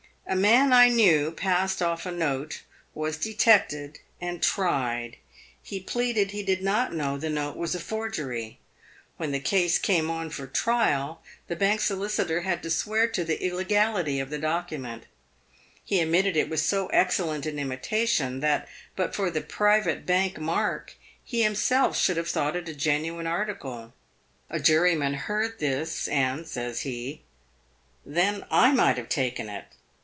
A man I knew passed off a note, was detected and tried. He pleaded he did not know the note was a forgery. When the case came on for trial the Bank Solicitor had to swear to the il legality of the document. He admitted it was so excellent an imita tion that but for the private Bank mark he himself should have thought it a genuine article. A juryman heard this, and says he, ' Then I might have taken it.'